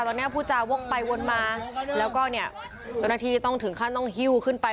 ตอนนี้ผู้จาวกไปวนมาแล้วก็เนี่ยเจ้าหน้าที่ต้องถึงขั้นต้องหิ้วขึ้นไป